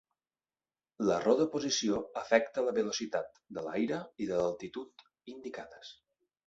L'error de posició afecta la velocitat de l'aire i de l'altitud indicades.